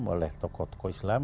oleh tokoh tokoh islam